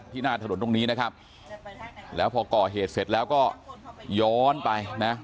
หน้าถนนตรงนี้นะครับแล้วพอก่อเหตุเสร็จแล้วก็ย้อนไปนะ